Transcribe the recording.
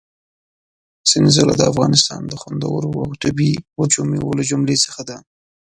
سنځله د افغانستان د خوندورو او طبي وچو مېوو له جملې څخه ده.